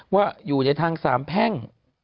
ว่าอยู่ในทางสามแพ่ง